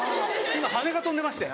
今羽根が飛んでまして。